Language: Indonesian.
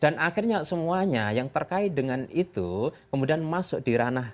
dan akhirnya semuanya yang terkait dengan itu kemudian masuk di ranah ke situ